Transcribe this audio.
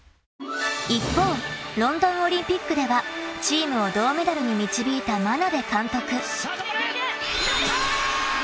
［一方ロンドンオリンピックではチームを銅メダルに導いた眞鍋監督］やった！